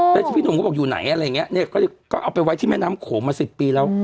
แล้วที่พี่หนุ่มก็บอกอยู่ไหนอะไรอย่างเงี้ยเนี่ยก็เอาไปไว้ที่แม่น้ำโขงมา๑๐ปีแล้ว